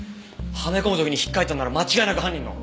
はめ込む時に引っかいたんなら間違いなく犯人の。